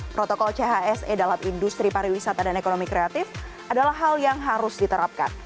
protokol chse dalam industri pariwisata dan ekonomi kreatif adalah hal yang harus diterapkan